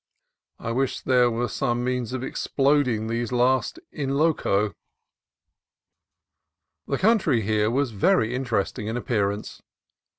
I wished there were some means of exploding these last, in loco. The country here was very interesting in appear ance.